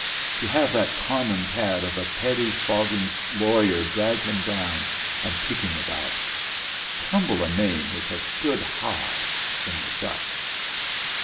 To have that common cad of a pettifogging lawyer drag him down and kick him about; tumble a name which had stood high, in the dust!